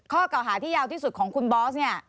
ข้อเก่าหาที่ยาวที่สุดของคุณบอสเนี่ย